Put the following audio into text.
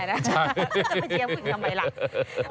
จะไปเชียร์ผู้หญิงทำไมล่ะ